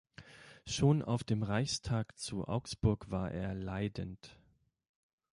Schon auf dem Reichstag zu Augsburg war er leidend.